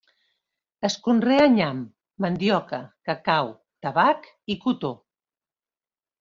Es conrea nyam, mandioca, cacau, tabac i cotó.